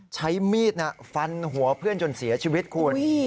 ใช้มีดฟันหัวเพื่อนจนเสียชีวิตคุณ